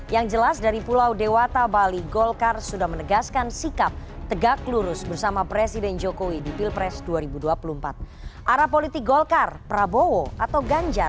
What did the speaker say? ya nggak tahu kan publik nggak tahu media kali yang merekam seperti itu